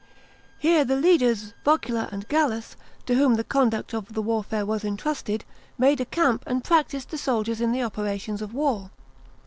Here the leaders Vocula and Gallus, to whom the conduct of the warfare was entrusted, made a camp and practised the soldiers in the operations of war.